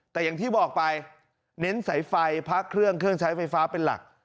แต่อย่างที่บอกไปเน้นสายไฟพระเครื่องเครื่องใช้ไฟฟ้าเป็นหลัก